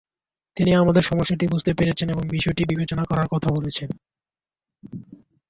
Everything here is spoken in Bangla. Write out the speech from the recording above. তিনি আমাদের সমস্যাটি বুঝতে পেরেছেন এবং বিষয়টি বিবেচনা করার কথা বলেছেন।